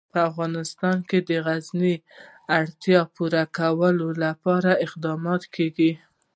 په افغانستان کې د غزني د اړتیاوو پوره کولو لپاره اقدامات کېږي.